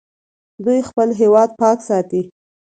دوی خپل هیواد پاک ساتي.